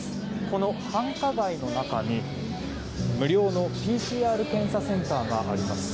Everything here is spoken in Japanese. この繁華街の中に無料のＰＣＲ検査センターがあります。